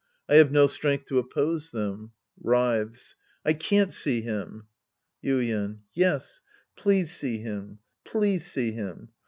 I have no strength to oppose them. {Wriikes.) I can't see him. Yuien. Yes. Please see him. Please see him.